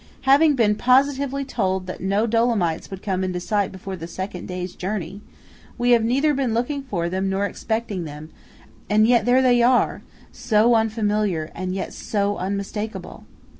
Having been positively told that no Dolomites would come into sight before the second day's journey, we have neither been looking for them nor expecting them–and yet there they are, so unfamiliar, and yet so unmistakeable!